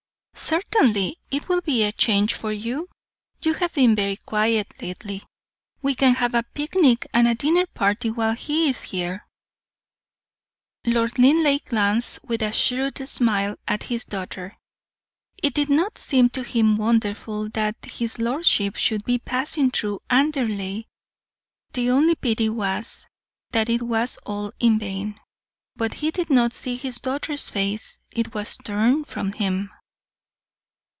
"Certainly; it will be a change for you; you have been very quiet lately; we can have a picnic and a dinner party while he is here." Lord Linleigh glanced with a shrewd smile at his daughter. It did not seem to him wonderful that his lordship should be passing through Anderley; the only pity was, that it was all in vain. But he did not see his daughter's face, it was turned from him.